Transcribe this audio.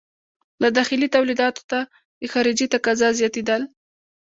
له داخلي تولیداتو ته د خارجې تقاضا زیاتېدل.